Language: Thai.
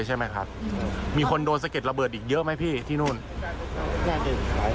ยังไม่ถึงนะครับความสะท้ายมี